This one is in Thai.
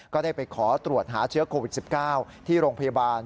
ก็ได้ไปขอตรวจหาเชื้อโควิด๑๙ที่โรงพยาบาล